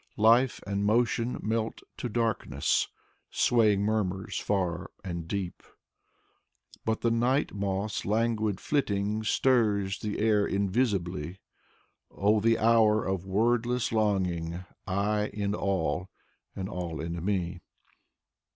Life and motion melt to darkness Swaying murmurs far and deep. But the night moth's languid flitting Stirs the air invisibly : Oh, the hour of wordless longing; I in all, and all in me.